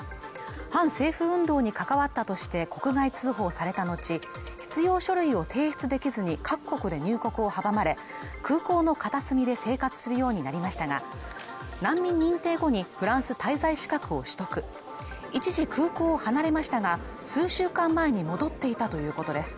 反政府運動に関わったとして国外通報された後必要書類を提出できずに各国で入国を阻まれ空港の片隅で生活するようになりましたが難民認定後にフランス滞在資格を取得一時空港を離れましたが数週間前に戻っていたということです